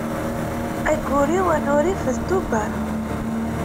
Aggur-iw anurif d Tubeṛ.